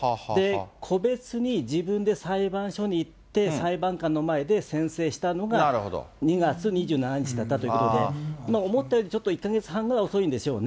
個別に自分で裁判所に行って、裁判官の前で宣誓したのが、２月２７日だったということで、思ったよりちょっと１か月半ぐらい遅いんでしょうね。